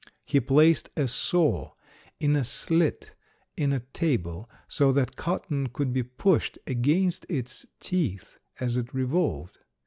He placed a saw in a slit in a table so that cotton could be pushed against its teeth as it revolved.